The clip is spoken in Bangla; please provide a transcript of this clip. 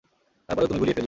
তারপরেও তুমি গুলিয়ে ফেললে।